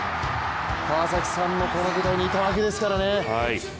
川崎さんもこの舞台にいたわけですからね。